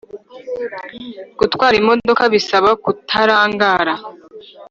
Gutwara imodoka bisaba kutarangara